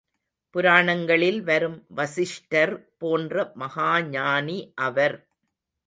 புராணங்களில் வரும் வசிஷ்டர் போன்ற மகாஞானி அவர்.